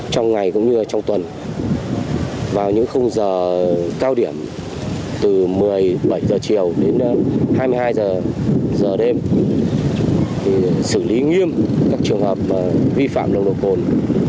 trong ngày cũng như trong tuần vào những khung giờ cao điểm từ một mươi bảy h chiều đến hai mươi hai h đêm xử lý nghiêm các trường hợp vi phạm nồng độ cồn